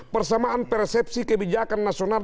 persamaan persepsi kebijakan nasional